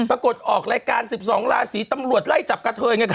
๐๒ราชรีตำรวจไล่จับกะเทย์อยุ่ไง